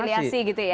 rekonsiliasi gitu ya